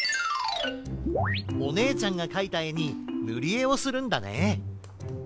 おねえちゃんがかいたえにぬりえをするんだね。